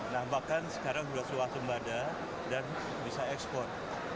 nah bahkan sekarang sudah suas sembada dan bisa ekspor